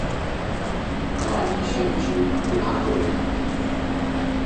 教你成就更好的自己